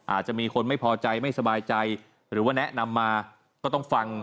อาจจะมีคนไม่พอใจไม่สบายใจหรือว่าแนะนำมาก็ต้องฟัง